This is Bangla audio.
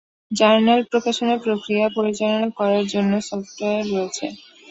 জার্নাল প্রকাশনা প্রক্রিয়া পরিচালনা করার জন্য সফ্টওয়্যার রয়েছে।